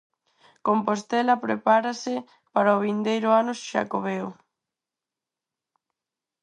Compostela prepárase para o vindeiro ano Xacobeo.